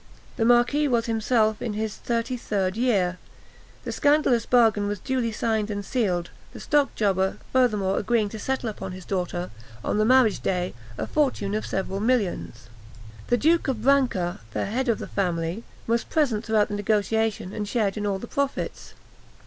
The marquis was himself in his thirty third year. This scandalous bargain was duly signed and sealed, the stockjobber furthermore agreeing to settle upon his daughter, on the marriage day, a fortune of several millions. The Duke of Brancas, the head of the family, was present throughout the negotiation, and shared in all the profits.